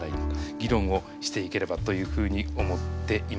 議論をしていければというふうに思っています。